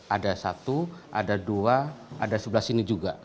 ada satu ada dua ada sebelah sini juga